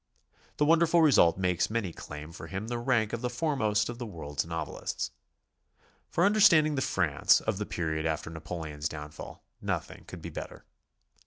The wonderful result makes many claim for him the rank of the foremost of the world's novelists. For understanding the France of the period after Napoleon's downfall, nothing could be better.